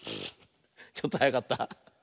ちょっとはやかった？